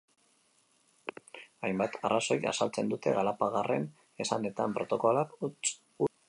Hainbat arrazoik azaltzen dute, Galarragaren esanetan, protokoloak huts egin izana.